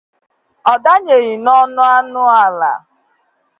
ọ dànyèghị n'ọnụ anụ ala